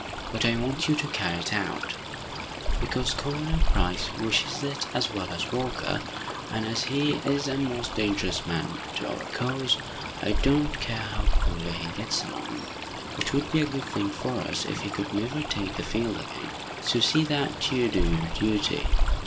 But I want you to carry it out, because Colonel Price wishes it as well as Walker, and as he is a most dangerous man to our cause, I don't care how poorly he gets along. It would be a good thing for us if he could never take the field again. So see that you do your duty!"